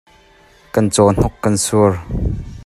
Kan cawhnuk kan sur.